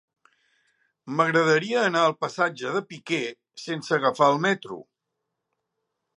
M'agradaria anar al passatge de Piquer sense agafar el metro.